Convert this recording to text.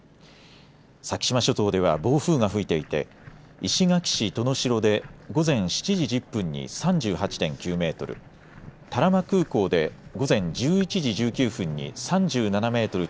先島諸島では暴風が吹いていて石垣市登野城で午前７時１０分に３８．９メートル、多良間空港で午前１１時１９分に３７メートル